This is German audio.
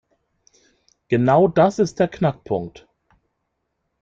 Genau das ist der Knackpunkt.